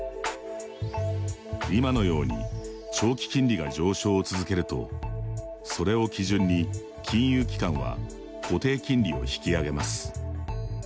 今のように長期金利が上昇を続けるとそれを基準に、金融機関は固定金利を引き上げます。